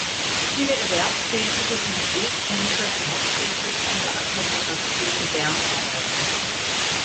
Viele Erwerbstätige sind Wegpendler, die hauptsächlich in der Agglomeration Bern arbeiten.